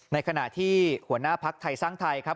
ในขณะที่หัวหน้าภักดิ์ไทยสร้างไทยครับ